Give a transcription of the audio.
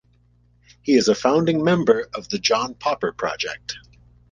He is a founding member of The John Popper Project.